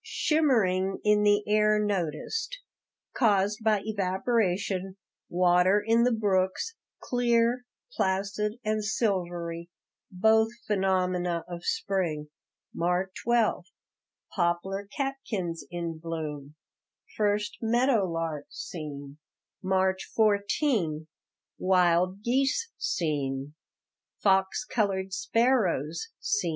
Shimmering in the air noticed, caused by evaporation; water in the brooks, "clear, placid, and silvery," both phenomena of spring. March 12 Poplar catkins in bloom. First meadow lark seen. March 14 Wild geese seen. Fox colored sparrows seen.